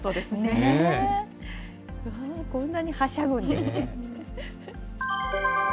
こんなにはしゃぐんですね。